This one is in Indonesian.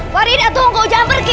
faridah tunggu jangan pergi